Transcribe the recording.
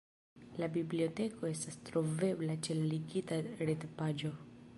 La biblioteko estas trovebla ĉe la ligita retpaĝo.